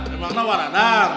semangat pak radar